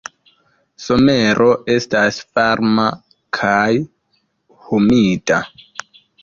Somero estas varma kaj humida.